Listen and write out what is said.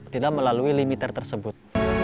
tidak melalui limiter tersebut